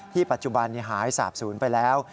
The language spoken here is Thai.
ปัจจุบันหายสาบศูนย์ไปแล้ว